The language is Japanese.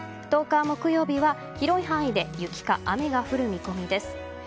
１０日木曜日は広い範囲で雪か雨が降る見込みです。